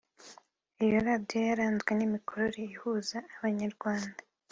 Iyo radiyo yaranzwe n’imikorere ihuza Abanyarwanda